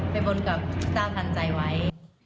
ไปบนกับท่านทันใจไว้